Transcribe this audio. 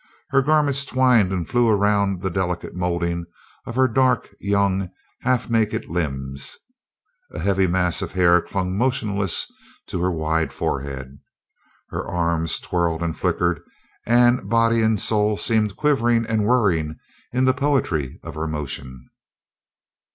Her garments twined and flew around the delicate moulding of her dark, young, half naked limbs. A heavy mass of hair clung motionless to her wide forehead. Her arms twirled and flickered, and body and soul seemed quivering and whirring in the poetry of her motion.